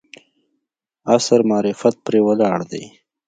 عصر معرفت پرې ولاړ دی.